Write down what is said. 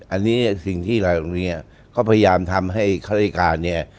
อันนี้สิ่งที่เราตรงนี้ก็พยายามทำให้ข้าราชการเนี่ย